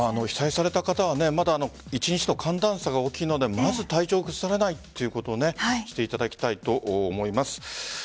被災された方はまだ一日の寒暖差が大きいのでまずは体調を崩されないことをしていただきたいと思います。